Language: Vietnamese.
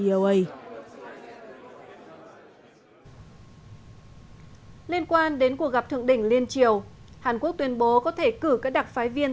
liên quan đến cuộc gặp thượng đỉnh liên triều hàn quốc tuyên bố có thể cử các đặc phái viên